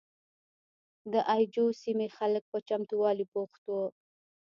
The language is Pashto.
د اي جو سیمې خلک په چمتوالي بوخت وو.